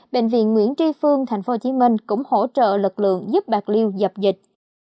bệnh viện nguyễn tri phương tp hcm cũng hỗ trợ lực lượng giúp bạc liêu dập dịch